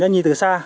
nhìn từ xa